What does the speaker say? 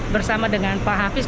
bersama dengan pahlawan